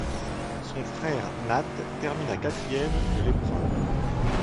Son frère Nat termina quatrième de l'épreuve.